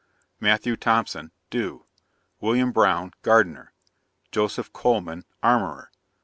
MATTHEW THOMPSON } do. WILLIAM BROWN Gardener. JOSEPH COLEMAN Armourer.